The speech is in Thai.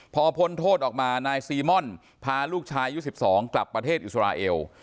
พอพ้นโทษออกมานายซีม่อนพาลูกชายอายุ๑๒กลับประเทศอิสราเอล